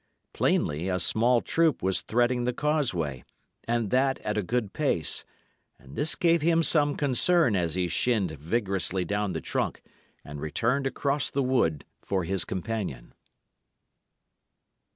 Plainly a small troop was threading the causeway, and that at a good pace; and this gave him some concern as he shinned vigorously down the trunk and returned across the wood for his companion.